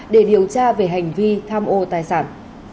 để điều tra về hành vi tham ô tài sản